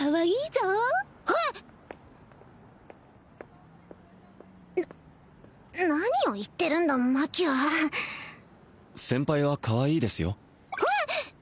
な何を言ってるんだマキは先輩はかわいいですよほあっ！？